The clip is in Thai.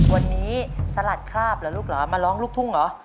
วันนี้สลัดคราบเหรอลูกเหรอมาร้องลูกทุ่งเหรอ